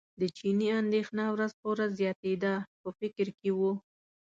د چیني اندېښنه ورځ په ورځ زیاتېده په فکر کې و.